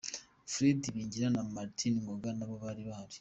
Fred Ibingira na Martin Ngoga nabo bari bahari